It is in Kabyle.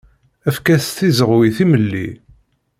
Efk-as tizeɣwi timelli.